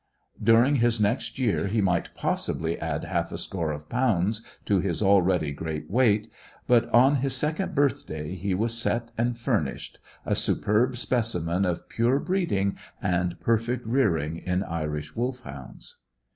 During his next year he might possibly add half a score of pounds to his already great weight; but on his second birthday he was set and furnished, a superb specimen of pure breeding and perfect rearing in Irish Wolfhounds.